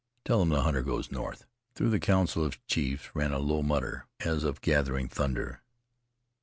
Tell them the hunter goes north." Through the council of chiefs ran a low mutter, as of gathering thunder.